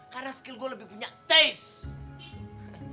karena skill gue lebih punya taste